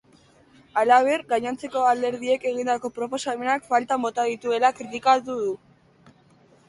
Halaber, gainontzeko alderdiek egindako proposamenak faltan bota dituela kritikatu du.